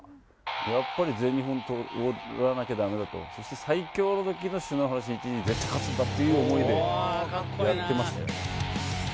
やっぱり、全日本を獲らなきゃだめだと、そして最強のときの篠原信一に絶対に勝つんだっていう思いでやってましたね。